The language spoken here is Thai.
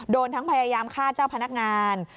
โดนทั้งพยายามฆ่าเจ้าพนักงาน